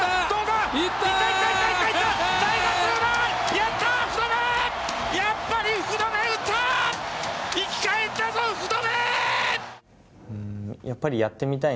やっぱり福留打った、生き返ったぞ、福留！